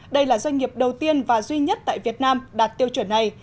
đây là doanh nghiệp đầu tiên và duy nhất tại việt nam đạt tiêu chuẩn này